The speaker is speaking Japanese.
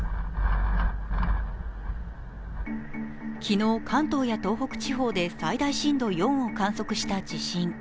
昨日、関東や東海地域で震度４を観測した地震。